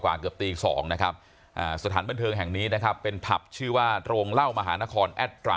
เกือบตี๒นะครับสถานบันเทิงแห่งนี้นะครับเป็นผับชื่อว่าโรงเล่ามหานครแอดตรา